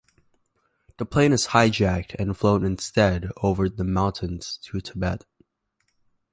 The plane is hijacked and flown instead over the mountains to Tibet.